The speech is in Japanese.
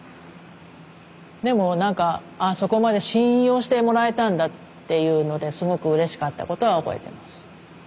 でも何かああそこまで信用してもらえたんだっていうのですごくうれしかったことは覚えてます。